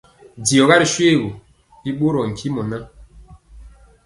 Diɔga ri shoégu, bi ɓorɔɔ ntimɔ ŋan.